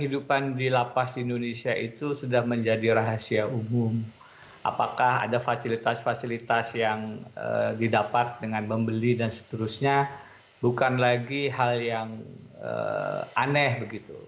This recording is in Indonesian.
kekadangan beli kla pas di indonesia itu sudah menjadi rahasia umum apakah ada fasilitas fasilitas yang didapat dengan membeli dan seterusnya bukan lagi hal yang aneh begitu